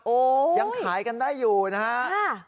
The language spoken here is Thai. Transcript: โอ้โหยังขายกันได้อยู่นะฮะ